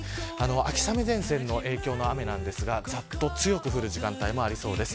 秋雨前線の影響の雨ですが強く降る時間帯もありそうです。